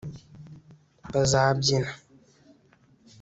bazabyina